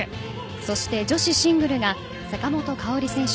そして、女子シングルが坂本花織選手